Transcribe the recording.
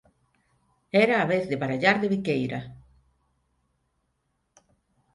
Era a vez de barallar de Viqueira.